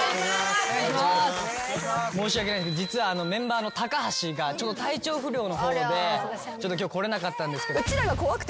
申し訳ない実はメンバーの橋が体調不良の方で今日来れなかったんですけど。